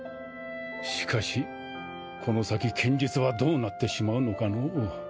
しかしこの先剣術はどうなってしまうのかのう。